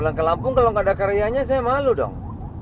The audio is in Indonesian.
pulang ke lampung kalau nggak ada karyanya saya malu dong